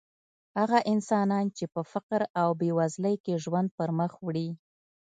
هغه انسانان چې په فقر او بېوزلۍ کې ژوند پرمخ وړي.